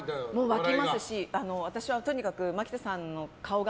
沸きますし私はとにかくマキタさんの顔が